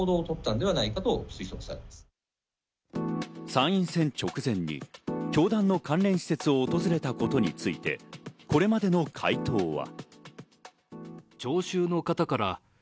参院選直前に教団の関連施設を訪れたことについて、これまでの回答は。